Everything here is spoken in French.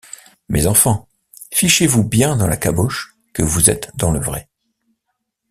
Mes enfants, fichez-vous bien dans la caboche que vous êtes dans le vrai.